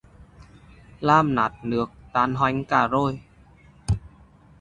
Làm nát nước tan hoanh cả rồi